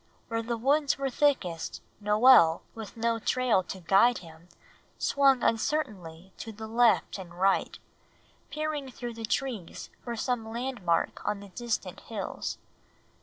Where the woods were thickest Noel, with no trail to guide him, swung uncertainly to left and right, peering through the trees for some landmark on the distant hills.